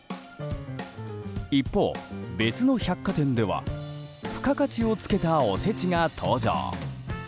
一方、別の百貨店では付加価値をつけたおせちが登場。